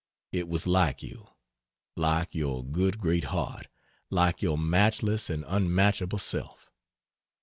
It was like you; like your good great heart, like your matchless and unmatchable self.